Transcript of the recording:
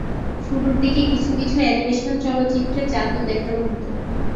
শুরুর দিকে কিছু কিছু অ্যানিমেশন চলচ্চিত্রে জাদু দেখানো হতো।